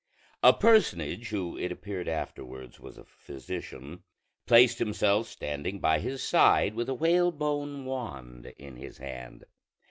A personage, who it appeared afterwards was a physician, placed himself standing by his side, with a whalebone wand in his hand.